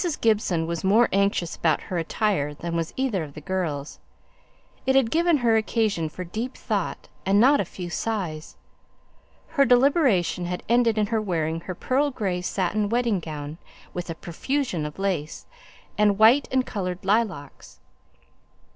Gibson was more anxious about her attire than was either of the girls; it had given her occasion for deep thought and not a few sighs. Her deliberation had ended in her wearing her pearl grey satin wedding gown, with a profusion of lace, and white and coloured lilacs.